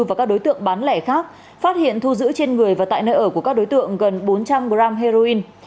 và các đối tượng bán lẻ khác phát hiện thu giữ trên người và tại nơi ở của các đối tượng gần bốn trăm linh g heroin